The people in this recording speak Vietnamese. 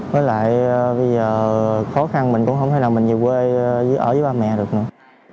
với lại bây giờ khó khăn mình cũng không thể nào mình về quê ở với ba mẹ được nữa